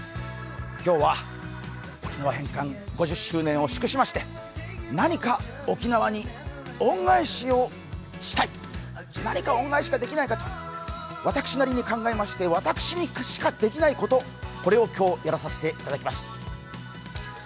今日は沖縄返還５０周年を祝しまして何か沖縄に恩返しをしたい何か恩返しができないかと私なりに考えまして、私にしかできないこと、これを今日、やらさせていただきます。